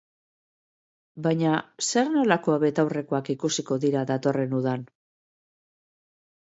Baina zer nolako betaurrekoak ikusiko dira datorren udan?